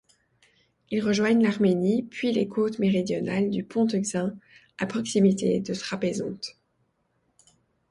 Ils rejoignent l'Arménie puis les côtes méridionales du Pont-Euxin à proximité de Trapézonte.